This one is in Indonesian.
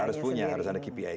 harus punya harus ada kpi